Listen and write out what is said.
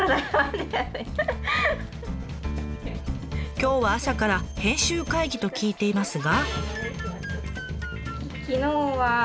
今日は朝から編集会議と聞いていますが。